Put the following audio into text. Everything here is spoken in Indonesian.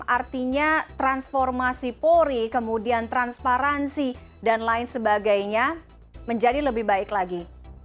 artinya transformasi polri kemudian transparansi dan lain sebagainya menjadi lebih baik lagi